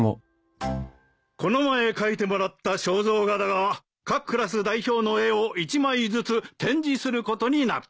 この前描いてもらった肖像画だが各クラス代表の絵を１枚ずつ展示することになった。